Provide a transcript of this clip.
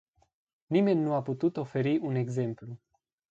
Nimeni nu a putut oferi un exemplu.